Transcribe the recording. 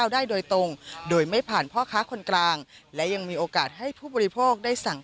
ได้โดยตรงโดยไม่ผ่านพ่อค้าคนกลางและยังมีโอกาสให้ผู้บริโภคได้สั่ง